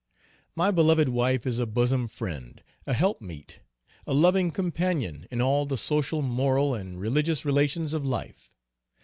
My beloved wife is a bosom friend, a help meet, a loving companion in all the social, moral, and religious relations of life.